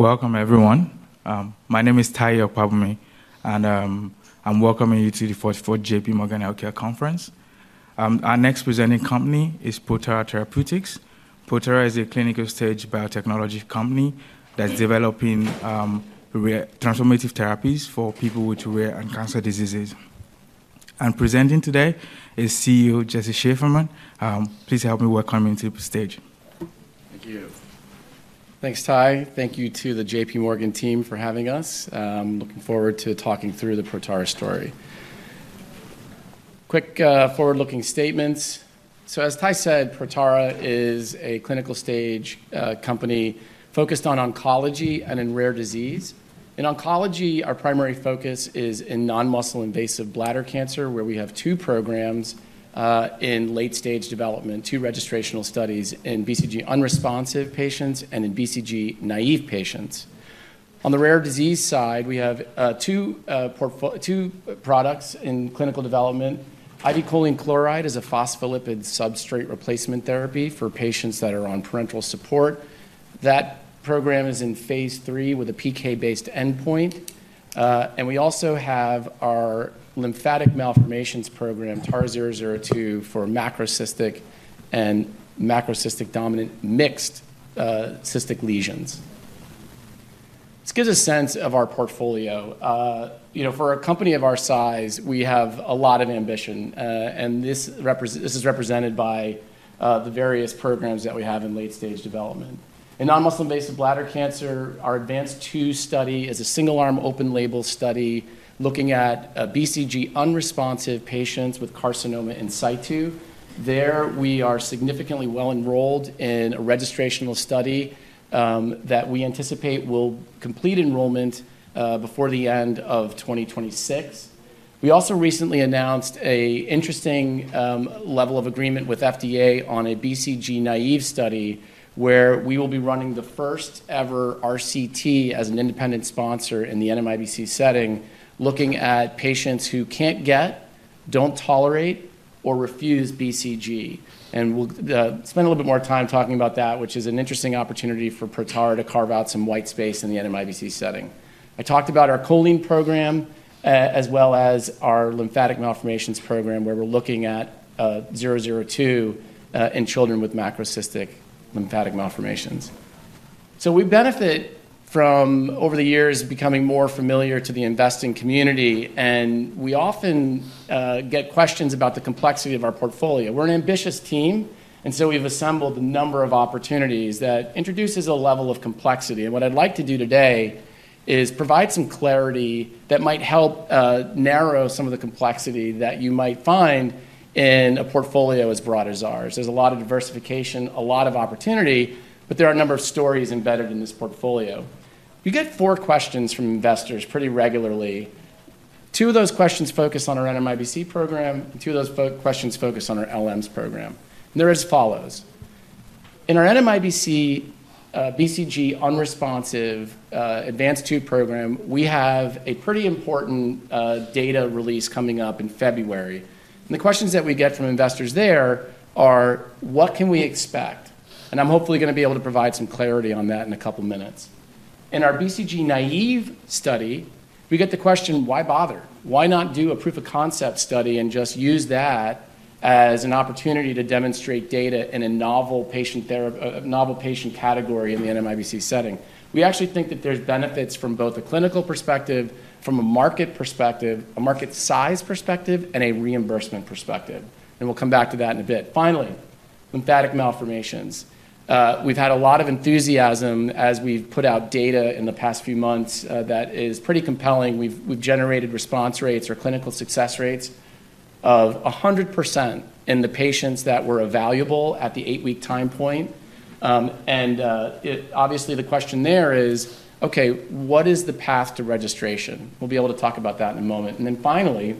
Welcome, everyone. My name is Ty Iacono, and I'm welcoming you to the 44th J.P. Morgan Healthcare Conference. Our next presenting company is Protara Therapeutics. Protara is a clinical stage biotechnology company that's developing transformative therapies for people with rare and cancer diseases. And presenting today is CEO Jesse Shefferman. Please help me welcome him to the stage. Thank you. Thanks, Thai. Thank you to the J.P. Morgan team for having us. I'm looking forward to talking through the Protara story. Quick forward-looking statements. So, as Thai said, Protara is a clinical stage company focused on oncology and in rare disease. In oncology, our primary focus is in non-muscle invasive bladder cancer, where we have two programs in late-stage development, two registrational studies in BCG unresponsive patients and in BCG naive patients. On the rare disease side, we have two products in clinical development. IV choline chloride is a phospholipid substrate replacement therapy for patients that are on parenteral support. That program is in phase III with a PK-based endpoint. And we also have our lymphatic malformations program, TARA-002, for macrocystic and microcystic dominant mixed cystic lesions. This gives a sense of our portfolio. For a company of our size, we have a lot of ambition, and this is represented by the various programs that we have in late-stage development. In non-muscle invasive bladder cancer, our ADVANCED-2 study is a single-arm open-label study looking at BCG-unresponsive patients with carcinoma in situ. There, we are significantly well enrolled in a registrational study that we anticipate will complete enrollment before the end of 2026. We also recently announced an interesting level of agreement with FDA on a BCG-naive study where we will be running the first-ever RCT as an independent sponsor in the NMIBC setting, looking at patients who can't get, don't tolerate, or refuse BCG. And we'll spend a little bit more time talking about that, which is an interesting opportunity for Protara to carve out some white space in the NMIBC setting. I talked about our choline program as well as our lymphatic malformations program, where we're looking at 002 in children with macrocystic lymphatic malformations. So, we benefit from, over the years, becoming more familiar to the investing community, and we often get questions about the complexity of our portfolio. We're an ambitious team, and so we've assembled a number of opportunities that introduce a level of complexity. And what I'd like to do today is provide some clarity that might help narrow some of the complexity that you might find in a portfolio as broad as ours. There's a lot of diversification, a lot of opportunity, but there are a number of stories embedded in this portfolio. We get four questions from investors pretty regularly. Two of those questions focus on our NMIBC program, and two of those questions focus on our LMs program. And they're as follows. In our NMIBC BCG-unresponsive ADVANCED-2 program, we have a pretty important data release coming up in February. And the questions that we get from investors there are, what can we expect? And I'm hopefully going to be able to provide some clarity on that in a couple of minutes. In our BCG-naïve study, we get the question, why bother? Why not do a proof of concept study and just use that as an opportunity to demonstrate data in a novel patient category in the NMIBC setting? We actually think that there's benefits from both a clinical perspective, from a market perspective, a market size perspective, and a reimbursement perspective. And we'll come back to that in a bit. Finally, lymphatic malformations. We've had a lot of enthusiasm as we've put out data in the past few months that is pretty compelling. We've generated response rates or clinical success rates of 100% in the patients that were evaluable at the eight-week time point. And obviously, the question there is, okay, what is the path to registration? We'll be able to talk about that in a moment. And then finally,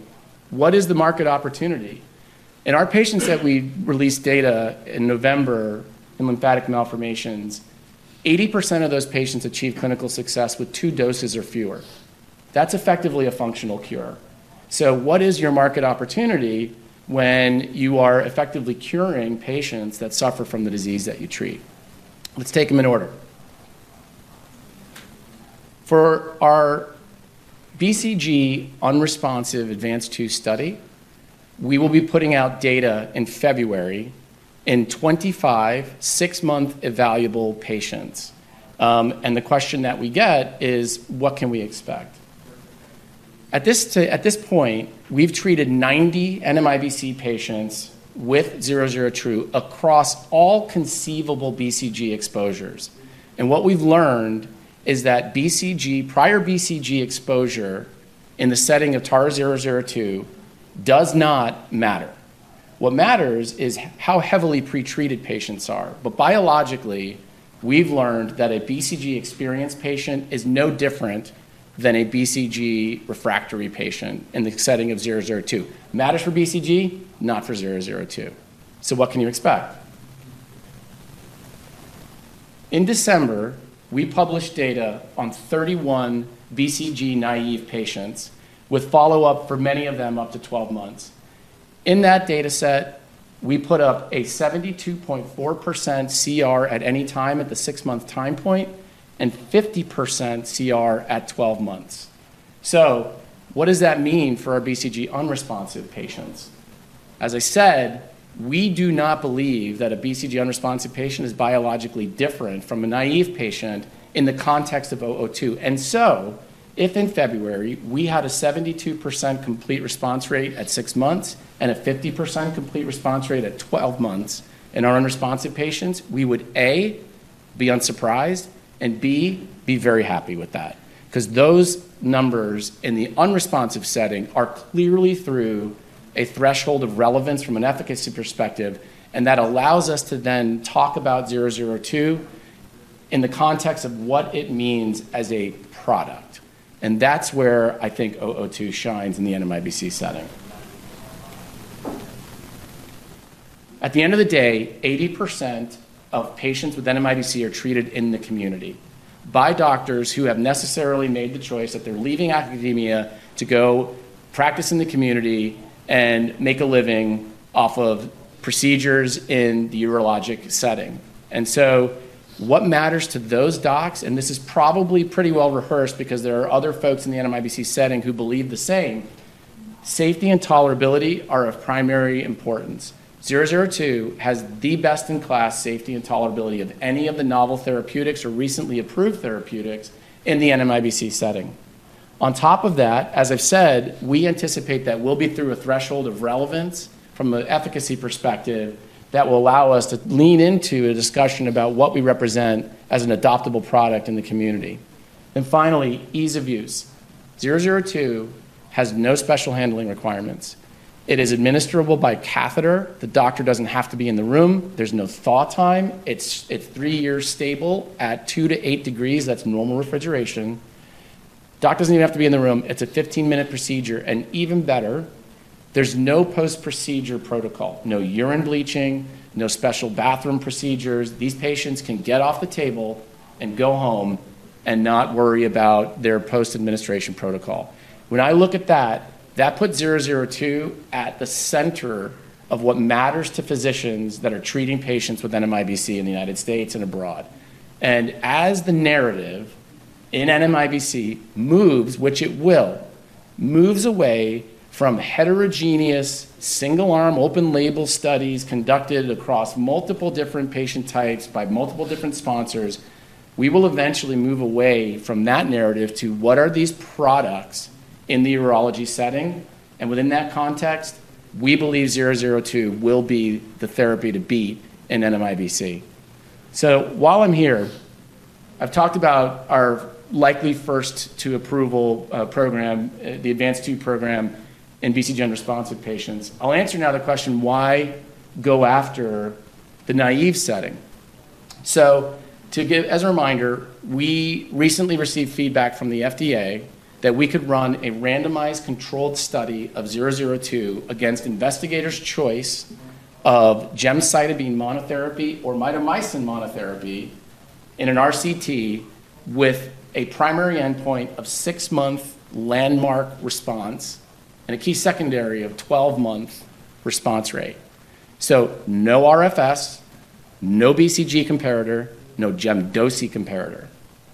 what is the market opportunity? In our patients that we released data in November in lymphatic malformations, 80% of those patients achieve clinical success with two doses or fewer. That's effectively a functional cure. So, what is your market opportunity when you are effectively curing patients that suffer from the disease that you treat? Let's take them in order. For our BCG unresponsive ADVANCED-2 study, we will be putting out data in February in 25 six-month evaluable patients. And the question that we get is, what can we expect? At this point, we've treated 90 NMIBC patients with 002 across all conceivable BCG exposures. And what we've learned is that prior BCG exposure in the setting of TAR 002 does not matter. What matters is how heavily pretreated patients are. But biologically, we've learned that a BCG experienced patient is no different than a BCG refractory patient in the setting of 002. Matters for BCG, not for 002. So, what can you expect? In December, we published data on 31 BCG-naive patients with follow-up for many of them up to 12 months. In that data set, we put up a 72.4% CR at any time at the six-month time point and 50% CR at 12 months. So, what does that mean for our BCG unresponsive patients? As I said, we do not believe that a BCG unresponsive patient is biologically different from a naive patient in the context of 002. And so, if in February we had a 72% complete response rate at six months and a 50% complete response rate at 12 months in our unresponsive patients, we would, A, be unsurprised, and B, be very happy with that. Because those numbers in the unresponsive setting are clearly through a threshold of relevance from an efficacy perspective, and that allows us to then talk about 002 in the context of what it means as a product. And that's where I think 002 shines in the NMIBC setting. At the end of the day, 80% of patients with NMIBC are treated in the community by doctors who have necessarily made the choice that they're leaving academia to go practice in the community and make a living off of procedures in the urologic setting. And so, what matters to those docs, and this is probably pretty well rehearsed because there are other folks in the NMIBC setting who believe the same. Safety and tolerability are of primary importance. 002 has the best-in-class safety and tolerability of any of the novel therapeutics or recently approved therapeutics in the NMIBC setting. On top of that, as I've said, we anticipate that we'll be through a threshold of relevance from an efficacy perspective that will allow us to lean into a discussion about what we represent as an adoptable product in the community. And finally, ease of use. 002 has no special handling requirements. It is administerable by catheter. The doctor doesn't have to be in the room. There's no thaw time. It's three years stable at 2 to 8 degrees. That's normal refrigeration. Doctor doesn't even have to be in the room. It's a 15-minute procedure. And even better, there's no post-procedure protocol, no urine bleaching, no special bathroom procedures. These patients can get off the table and go home and not worry about their post-administration protocol. When I look at that, that puts 002 at the center of what matters to physicians that are treating patients with NMIBC in the United States and abroad. As the narrative in NMIBC moves, which it will, moves away from heterogeneous single-arm open-label studies conducted across multiple different patient types by multiple different sponsors, we will eventually move away from that narrative to what are these products in the urology setting. Within that context, we believe 002 will be the therapy to beat in NMIBC. While I'm here, I've talked about our likely first-to-approval program, the advanced two program in BCG unresponsive patients. I'll answer now the question, why go after the naive setting? As a reminder, we recently received feedback from the FDA that we could run a randomized controlled study of 002 against investigators' choice of gemcitabine monotherapy or mitomycin monotherapy in an RCT with a primary endpoint of six-month landmark response and a key secondary of 12-month response rate. No RFS, no BCG comparator, no GemDoce comparator,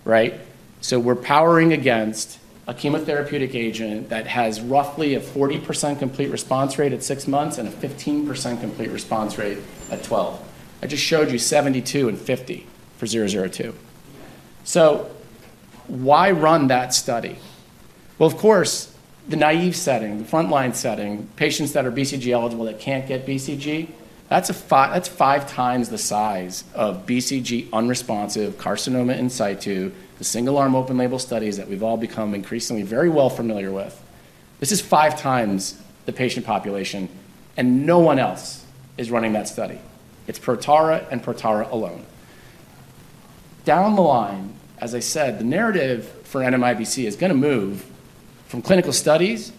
right? So, we're up against a chemotherapeutic agent that has roughly a 40% complete response rate at six months and a 15% complete response rate at 12. I just showed you 72 and 50 for 002, so why run that study? Well, of course, the naive setting, the frontline setting, patients that are BCG eligible that can't get BCG, that's five times the size of BCG unresponsive carcinoma in situ, the single-arm open-label studies that we've all become increasingly very well familiar with. This is five times the patient population, and no one else is running that study. It's Protara and Protara alone. Down the line, as I said, the narrative for NMIBC is going to move from clinical studies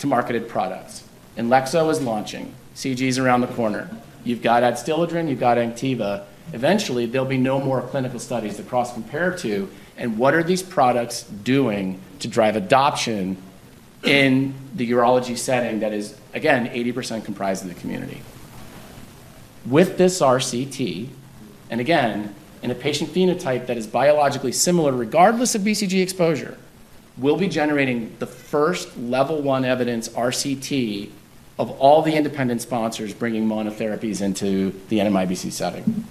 to marketed products, and Lexo is launching. CG is around the corner. You've got Adstiladrin, you've got Anktiva. Eventually, there'll be no more clinical studies to cross-compare to. And what are these products doing to drive adoption in the urology setting that is, again, 80% comprised of the community? With this RCT, and again, in a patient phenotype that is biologically similar regardless of BCG exposure, we'll be generating the first level one evidence RCT of all the independent sponsors bringing monotherapies into the NMIBC setting.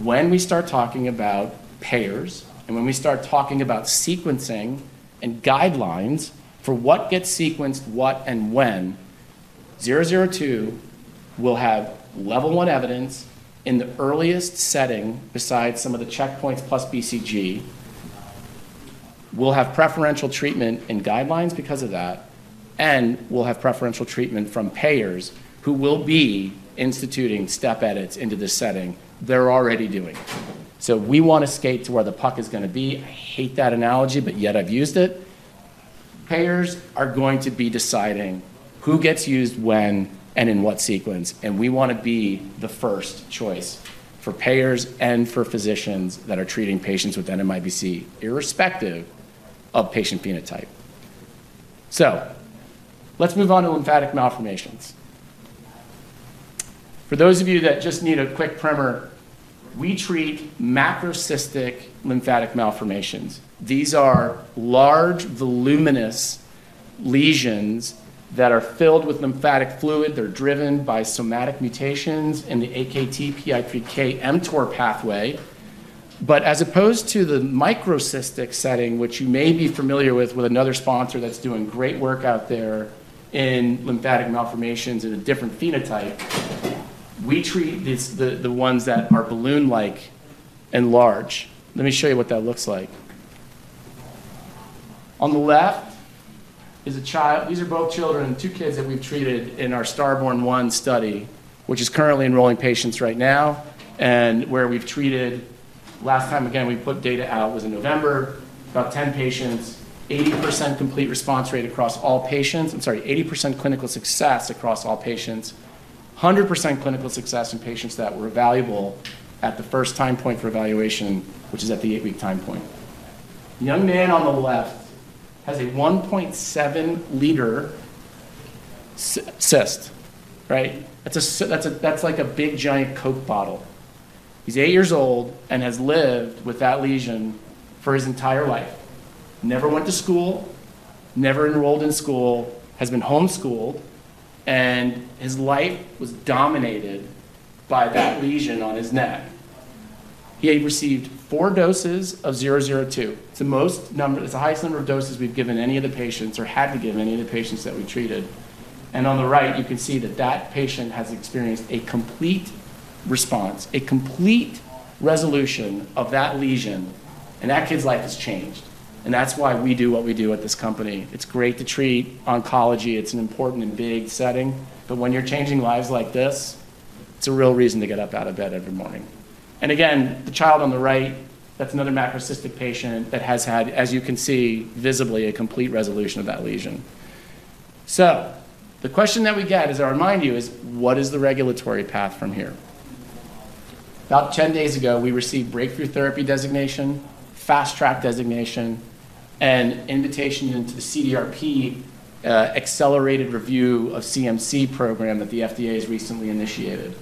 When we start talking about payers and when we start talking about sequencing and guidelines for what gets sequenced, what, and when, 002 will have level one evidence in the earliest setting besides some of the checkpoints plus BCG. We'll have preferential treatment in guidelines because of that, and we'll have preferential treatment from payers who will be instituting step edits into this setting. They're already doing it. So, we want to skate to where the puck is going to be. I hate that analogy, but yet I've used it. Payers are going to be deciding who gets used when and in what sequence, and we want to be the first choice for payers and for physicians that are treating patients with NMIBC, irrespective of patient phenotype. So, let's move on to lymphatic malformations. For those of you that just need a quick primer, we treat macrocystic lymphatic malformations. These are large, voluminous lesions that are filled with lymphatic fluid. They're driven by somatic mutations in the AKT, PI3K, mTOR pathway. But as opposed to the microcystic setting, which you may be familiar with with another sponsor that's doing great work out there in lymphatic malformations in a different phenotype, we treat the ones that are balloon-like and large. Let me show you what that looks like. On the left is a child. These are both children, two kids that we've treated in our STARBORN-1 study, which is currently enrolling patients right now, and where we've treated. Last time, again, we put data out was in November, about 10 patients, 80% complete response rate across all patients. I'm sorry, 80% clinical success across all patients, 100% clinical success in patients that were evaluable at the first time point for evaluation, which is at the eight-week time point. The young man on the left has a 1.7-liter cyst, right? That's like a big giant Coke bottle. He's eight years old and has lived with that lesion for his entire life. Never went to school, never enrolled in school, has been homeschooled, and his life was dominated by that lesion on his neck. He had received four doses of 002. It's the highest number of doses we've given any of the patients or had to give any of the patients that we treated. And on the right, you can see that that patient has experienced a complete response, a complete resolution of that lesion, and that kid's life has changed. And that's why we do what we do at this company. It's great to treat oncology. It's an important and big setting. But when you're changing lives like this, it's a real reason to get up out of bed every morning. And again, the child on the right, that's another macrocystic patient that has had, as you can see, visibly a complete resolution of that lesion. So, the question that we get is, I remind you, is what is the regulatory path from here? About 10 days ago, we received breakthrough therapy designation, fast-track designation, and invitation into the CDRP accelerated review of CMC program that the FDA has recently initiated.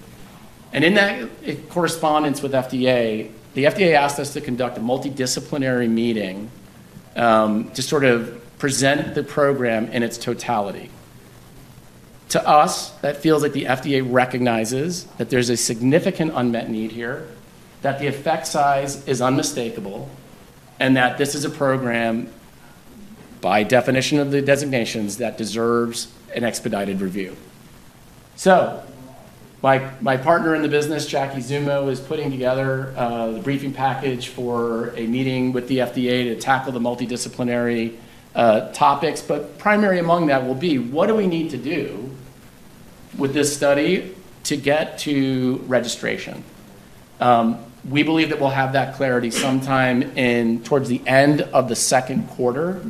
And in that correspondence with FDA, the FDA asked us to conduct a multidisciplinary meeting to sort of present the program in its totality. To us, that feels like the FDA recognizes that there's a significant unmet need here, that the effect size is unmistakable, and that this is a program, by definition of the designations, that deserves an expedited review. So, my partner in the business, Jackie Zummo, is putting together the briefing package for a meeting with the FDA to tackle the multidisciplinary topics. But primary among that will be, what do we need to do with this study to get to registration? We believe that we'll have that clarity sometime towards the end of the second quarter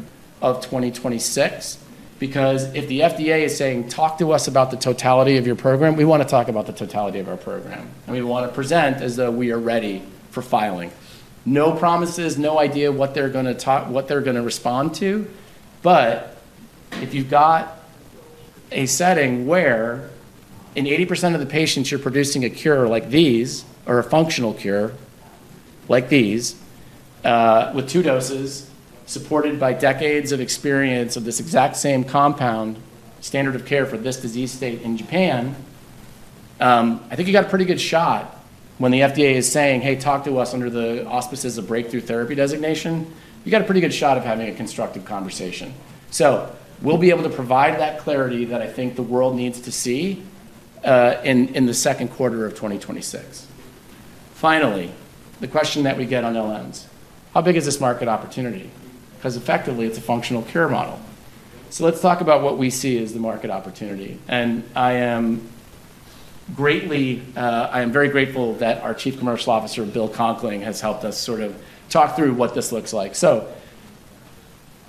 of 2026. Because if the FDA is saying, "Talk to us about the totality of your program," we want to talk about the totality of our program. And we want to present as though we are ready for filing. No promises, no idea what they're going to respond to. But if you've got a setting where in 80% of the patients you're producing a cure like these, or a functional cure like these, with two doses supported by decades of experience of this exact same compound standard of care for this disease state in Japan, I think you got a pretty good shot when the FDA is saying, "Hey, talk to us under the auspices of Breakthrough Therapy Designation." You got a pretty good shot of having a constructive conversation. So, we'll be able to provide that clarity that I think the world needs to see in the second quarter of 2026. Finally, the question that we get on LMs, how big is this market opportunity? Because effectively, it's a functional cure model. Let's talk about what we see as the market opportunity. I am very grateful that our Chief Commercial Officer, Bill Conkling, has helped us sort of talk through what this looks like.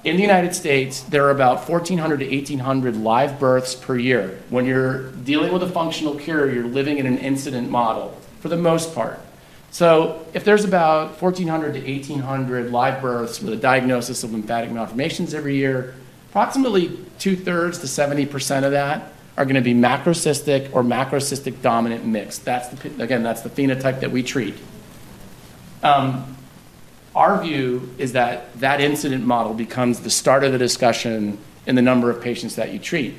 In the United States, there are about 1,400-1,800 live births per year. When you're dealing with a functional cure, you're living in an incident model for the most part. If there's about 1,400-1,800 live births with a diagnosis of lymphatic malformations every year, approximately two-thirds to 70% of that are going to be macrocystic or macrocystic dominant mix. Again, that's the phenotype that we treat. Our view is that that incident model becomes the start of the discussion in the number of patients that you treat.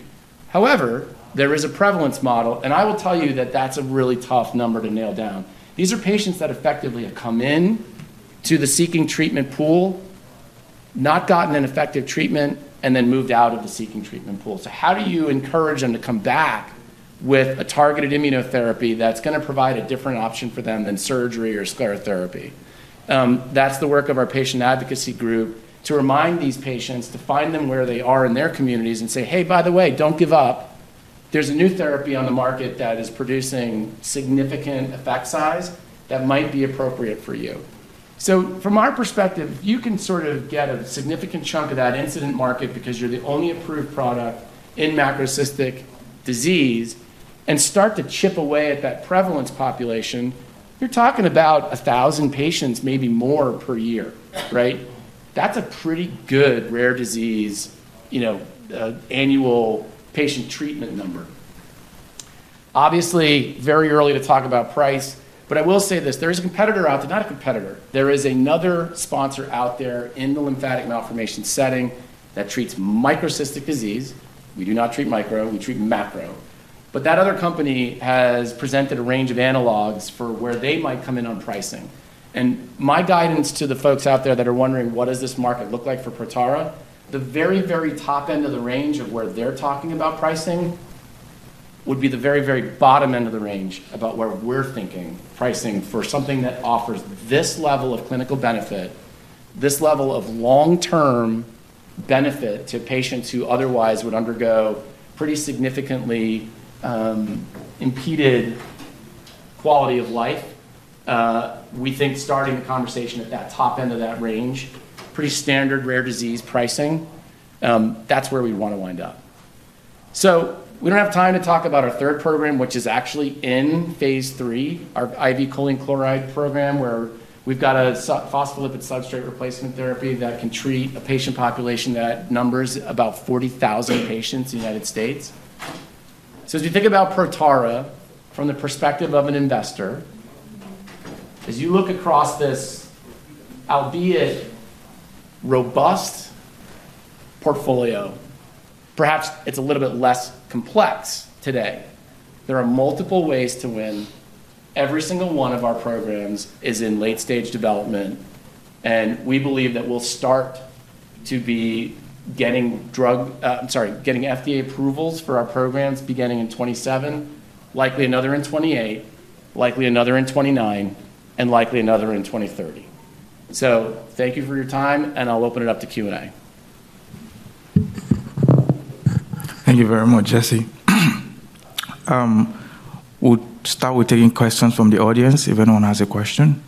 However, there is a prevalence model, and I will tell you that that's a really tough number to nail down. These are patients that effectively have come into the seeking treatment pool, not gotten an effective treatment, and then moved out of the seeking treatment pool. So, how do you encourage them to come back with a targeted immunotherapy that's going to provide a different option for them than surgery or sclerotherapy? That's the work of our patient advocacy group to remind these patients, to find them where they are in their communities and say, "Hey, by the way, don't give up. There's a new therapy on the market that is producing significant effect size that might be appropriate for you." So, from our perspective, if you can sort of get a significant chunk of that incidence market because you're the only approved product in macrocystic disease and start to chip away at that prevalence population, you're talking about 1,000 patients, maybe more per year, right? That's a pretty good rare disease annual patient treatment number. Obviously, very early to talk about price, but I will say this: there is a competitor out there, not a competitor. There is another sponsor out there in the lymphatic malformation setting that treats microcystic disease. We do not treat micro; we treat macro. But that other company has presented a range of analogs for where they might come in on pricing. My guidance to the folks out there that are wondering, "What does this market look like for Protara?" The very, very top end of the range of where they're talking about pricing would be the very, very bottom end of the range about where we're thinking pricing for something that offers this level of clinical benefit, this level of long-term benefit to patients who otherwise would undergo pretty significantly impeded quality of life. We think starting the conversation at that top end of that range, pretty standard rare disease pricing, that's where we want to wind up. So, we don't have time to talk about our third program, which is actually in phase III, our IV Choline Chloride program, where we've got a phospholipid substrate replacement therapy that can treat a patient population that numbers about 40,000 patients in the United States. As we think about Protara from the perspective of an investor, as you look across this albeit robust portfolio, perhaps it's a little bit less complex today. There are multiple ways to win. Every single one of our programs is in late-stage development, and we believe that we'll start to be getting FDA approvals for our programs beginning in 2027, likely another in 2028, likely another in 2029, and likely another in 2030. Thank you for your time, and I'll open it up to Q&A. Thank you very much, Jesse. We'll start with taking questions from the audience if anyone has a question.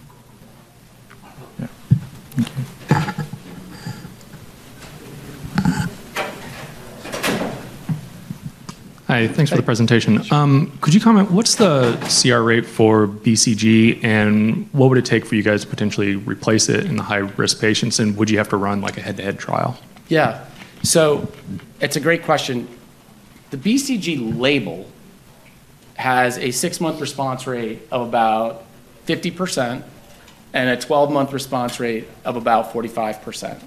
Yeah. Thank you. Hi. Thanks for the presentation. Could you comment, what's the CR rate for BCG, and what would it take for you guys to potentially replace it in the high-risk patients, and would you have to run like a head-to-head trial? Yeah. So, it's a great question. The BCG label has a six-month response rate of about 50% and a 12-month response rate of about 45%.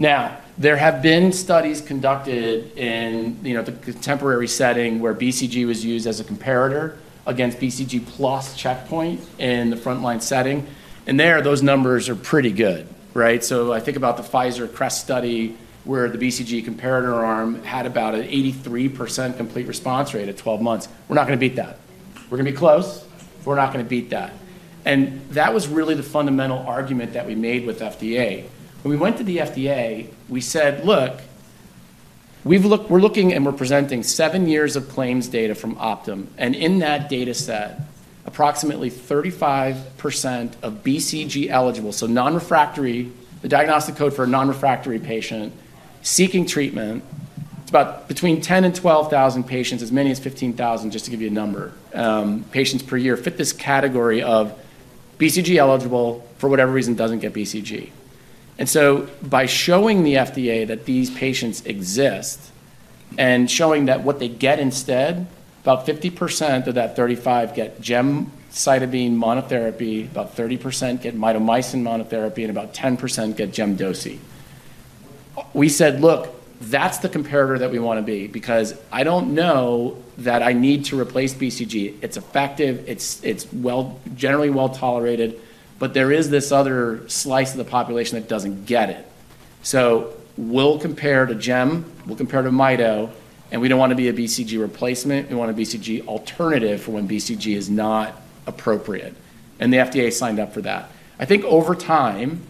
Now, there have been studies conducted in the contemporary setting where BCG was used as a comparator against BCG plus checkpoint in the frontline setting. And there, those numbers are pretty good, right? So, I think about the Pfizer CREST study where the BCG comparator arm had about an 83% complete response rate at 12 months. We're not going to beat that. We're going to be close. We're not going to beat that. And that was really the fundamental argument that we made with FDA. When we went to the FDA, we said, "Look, we're looking and we're presenting seven years of claims data from Optum," and in that data set, approximately 35% of BCG eligible, so non-refractory, the diagnostic code for a non-refractory patient seeking treatment, it's about between 10,000 and 12,000 patients, as many as 15,000, just to give you a number, patients per year fit this category of BCG eligible for whatever reason doesn't get BCG, and so, by showing the FDA that these patients exist and showing that what they get instead, about 50% of that 35% get gemcitabine monotherapy, about 30% get mitomycin monotherapy, and about 10% get GemDoce. We said, "Look, that's the comparator that we want to be." Because I don't know that I need to replace BCG. It's effective. It's generally well tolerated, but there is this other slice of the population that doesn't get it. So, we'll compare to gem, we'll compare to mito, and we don't want to be a BCG replacement. We want a BCG alternative for when BCG is not appropriate. And the FDA signed up for that. I think over time,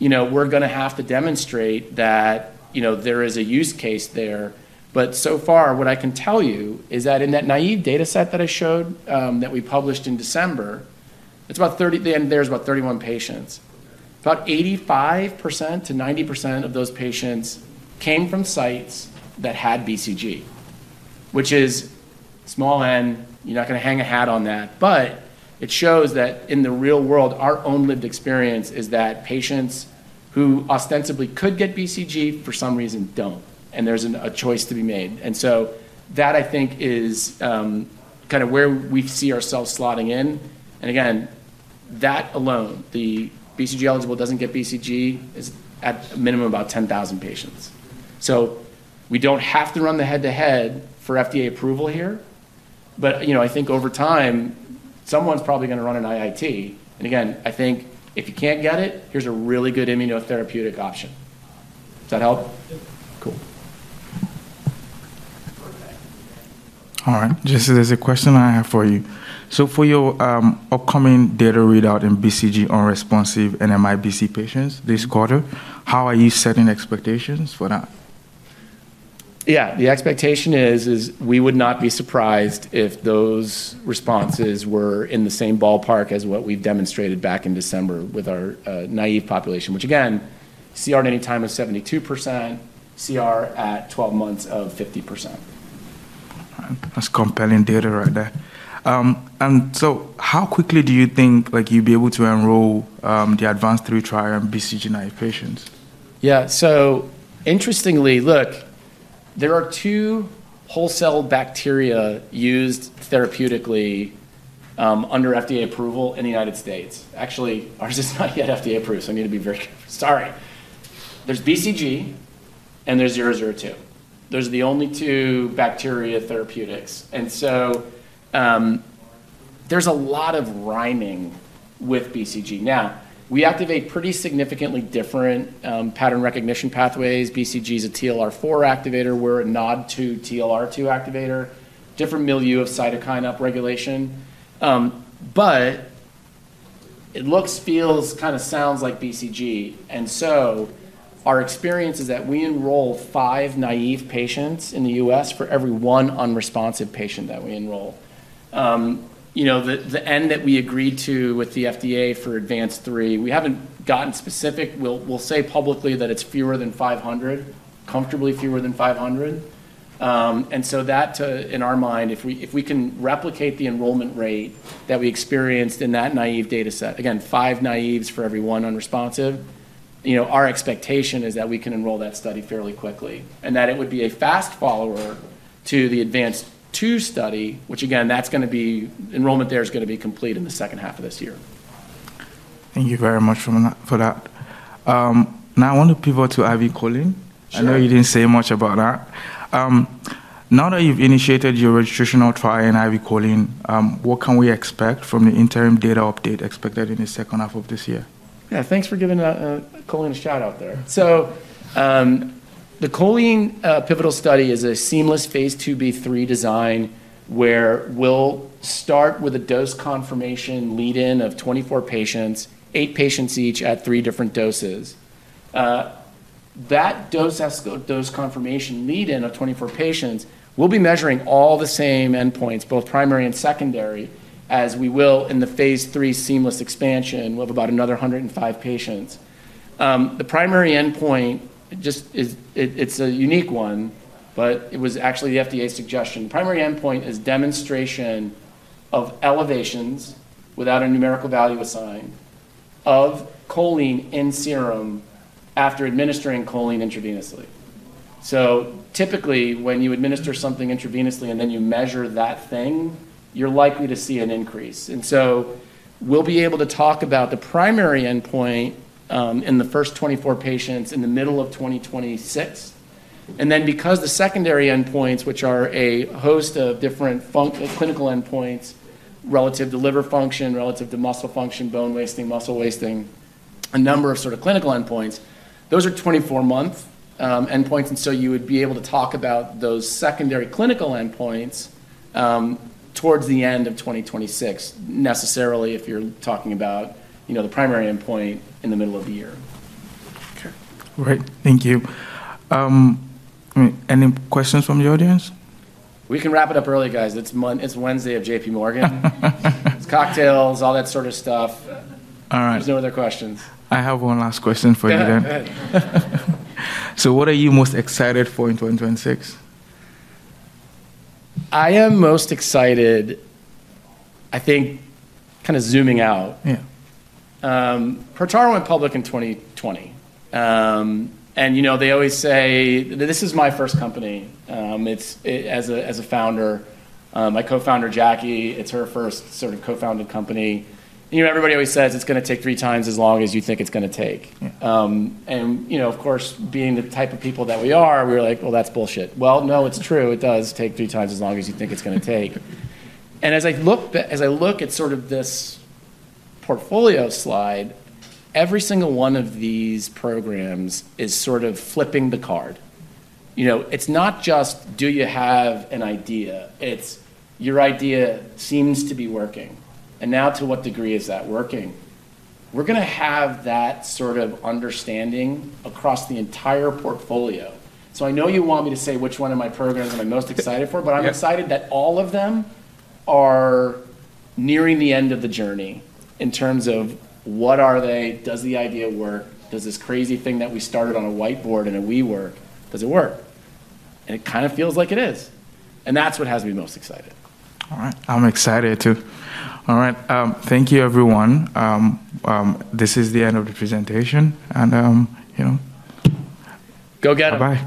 we're going to have to demonstrate that there is a use case there. But so far, what I can tell you is that in that naive data set that I showed that we published in December, it's about 30, and there's about 31 patients. About 85%-90% of those patients came from sites that had BCG, which is small n, you're not going to hang a hat on that. But it shows that in the real world, our own lived experience is that patients who ostensibly could get BCG for some reason don't, and there's a choice to be made. And so, that I think is kind of where we see ourselves slotting in. And again, that alone, the BCG eligible doesn't get BCG, is at minimum about 10,000 patients. So, we don't have to run the head-to-head for FDA approval here. But I think over time, someone's probably going to run an IIT. And again, I think if you can't get it, here's a really good immunotherapeutic option. Does that help? Cool. All right. Jesse, there's a question I have for you. So, for your upcoming data readout in BCG unresponsive and NMIBC patients this quarter, how are you setting expectations for that? Yeah. The expectation is we would not be surprised if those responses were in the same ballpark as what we demonstrated back in December with our naive population, which again, CR at any time of 72%, CR at 12 months of 50%. That's compelling data right there, and so, how quickly do you think you'd be able to enroll the ADVANCED-3 trial in BCG-naïve patients? Yeah. So, interestingly, look, there are two whole cell bacteria used therapeutically under FDA approval in the United States. Actually, ours is not yet FDA approved, so I need to be very careful. Sorry. There's BCG, and there's 002. Those are the only two bacteria therapeutics. And so, there's a lot of rhyming with BCG. Now, we activate pretty significantly different pattern recognition pathways. BCG is a TLR4 activator. We're a NOD2-TLR2 activator, different milieu of cytokine upregulation. But it looks, feels, kind of sounds like BCG. And so, our experience is that we enroll five naive patients in the U.S. for every one unresponsive patient that we enroll. The N that we agreed to with the FDA for ADVANCED-3, we haven't gotten specific. We'll say publicly that it's fewer than 500, comfortably fewer than 500. And so, that in our mind, if we can replicate the enrollment rate that we experienced in that naive data set, again, five naives for every one unresponsive, our expectation is that we can enroll that study fairly quickly and that it would be a fast follower to the ADVANCED-2 study, which again, that's going to be enrollment there is going to be complete in the second half of this year. Thank you very much for that. Now, I want to pivot to IV choline. Sure. I know you didn't say much about that. Now that you've initiated your registration trial for IV Choline, what can we expect from the interim data update expected in the second half of this year? Yeah. Thanks for giving choline a shout out there. So, the choline pivotal study is a seamless phase II B3 design where we'll start with a dose confirmation lead-in of 24 patients, eight patients each at three different doses. That dose confirmation lead-in of 24 patients, we'll be measuring all the same endpoints, both primary and secondary, as we will in the phase III seamless expansion of about another 105 patients. The primary endpoint, it's a unique one, but it was actually the FDA's suggestion. The primary endpoint is demonstration of elevations without a numerical value assigned of choline in serum after administering choline intravenously. So, typically, when you administer something intravenously and then you measure that thing, you're likely to see an increase. And so, we'll be able to talk about the primary endpoint in the first 24 patients in the middle of 2026. Then, because the secondary endpoints, which are a host of different clinical endpoints relative to liver function, relative to muscle function, bone wasting, muscle wasting, a number of sort of clinical endpoints, those are 24-month endpoints. So, you would be able to talk about those secondary clinical endpoints towards the end of 2026, necessarily, if you're talking about the primary endpoint in the middle of the year. Okay. All right. Thank you. Any questions from the audience? We can wrap it up early, guys. It's Wednesday of J.P. Morgan. It's cocktails, all that sort of stuff. All right. There's no other questions. I have one last question for you there. Yeah, go ahead. So, what are you most excited for in 2026? I am most excited, I think, kind of zooming out. Yeah. Protara went public in 2020, and they always say, "This is my first company." As a founder, my co-founder, Jackie, it's her first sort of co-founded company. Everybody always says, "It's going to take three times as long as you think it's going to take," and of course, being the type of people that we are, we were like, "Well, that's bullshit." Well, no, it's true. It does take three times as long as you think it's going to take, and as I look at sort of this portfolio slide, every single one of these programs is sort of flipping the card. It's not just, "Do you have an idea?" It's, "Your idea seems to be working. And now, to what degree is that working?" We're going to have that sort of understanding across the entire portfolio. So, I know you want me to say which one of my programs am I most excited for, but I'm excited that all of them are nearing the end of the journey in terms of, "What are they? Does the idea work? Does this crazy thing that we started on a whiteboard and a WeWork, does it work?" And it kind of feels like it is. And that's what has me most excited. All right. I'm excited too. All right. Thank you, everyone. This is the end of the presentation. And. Go get them. Bye.